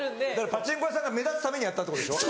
パチンコ屋さんが目立つためにやったってことでしょ？